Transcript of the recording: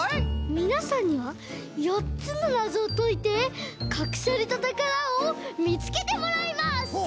みなさんにはよっつのなぞをといてかくされたたからをみつけてもらいます！